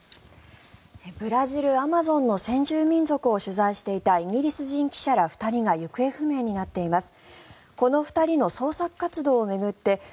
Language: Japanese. ブラジル・アマゾンの先住民族を取材していたイギリス人記者ら２人が行方不明になっています。